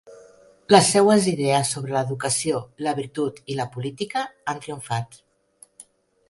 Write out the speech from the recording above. Les seues idees sobre l'educació, la virtut i la política han triomfat.